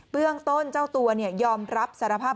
เรื่องต้นเจ้าตัวยอมรับสารภาพ